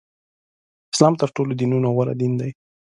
اسلام تر ټولو دینونو غوره دین دی.